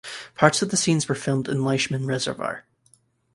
Parts of the scenes were filmed in Lishimen Reservoir.